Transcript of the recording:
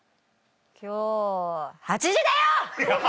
今日８時だよ‼